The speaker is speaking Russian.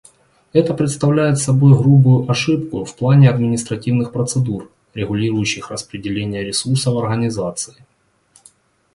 Это представляет собой грубую ошибку в плане административных процедур, регулирующих распределение ресурсов Организации.